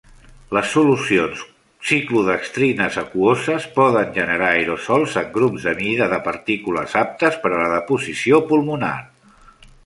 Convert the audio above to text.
Les solucions ciclodextrines aquoses poden generar aerosols en grups de mida de partícules aptes per a la deposició pulmonar.